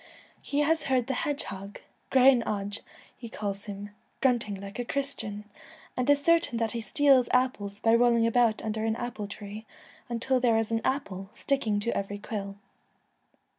He has heard the hedgehog —' grainne oge,' he calls him — 'grunting like a Christian,' and is certain that he steals apples by rolling about under an apple tree until there is an apple sticking to every quill.